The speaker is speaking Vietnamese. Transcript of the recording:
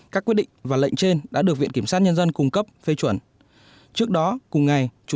các quyết định và lệnh trên đã được viện kiểm sát nhân dân cung cấp phê chuẩn